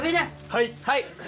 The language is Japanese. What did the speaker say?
はい！